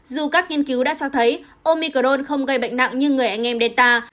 dù các nghiên cứu đã cho thấy omicron không gây bệnh nặng như người anh em delta